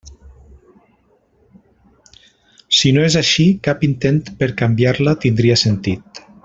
Si no és així, cap intent per canviar-la tindria sentit.